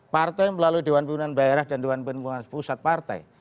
partai melalui dewan pimpinan daerah dan dewan pengurus pusat partai